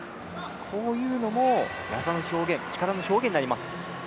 こういうのも、技の表現力の表現になります。